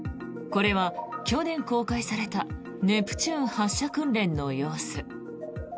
これは、去年公開されたネプチューン発射訓練の様子。